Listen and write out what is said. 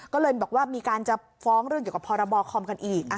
ก็เลยบอกว่ามีการจะฟ้องเรื่องเกี่ยวกับพรบคอมกันอีก